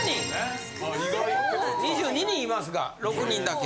・２２人いますが６人だけ。